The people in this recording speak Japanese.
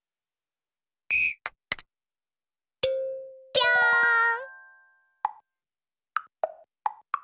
ぴょん！